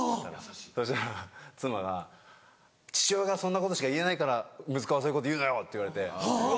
そしたら妻が「父親がそんなことしか言えないから息子がそういうこと言うのよ！」って言われて。